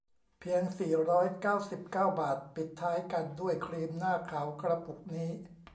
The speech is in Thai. เพียง สี่ร้อยเก้าสิบเก้า บาท ปิดท้ายกันด้วยครีมหน้าขาวกระปุกนี้